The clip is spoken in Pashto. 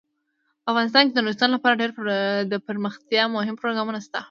افغانستان کې د نورستان لپاره ډیر دپرمختیا مهم پروګرامونه شته دي.